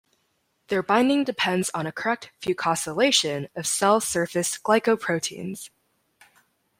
Their binding depends on a correct fucosylation of cell surface glycoproteins.